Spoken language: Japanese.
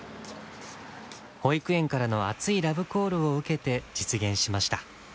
保育園からの熱いラブコールを受けて実現しました。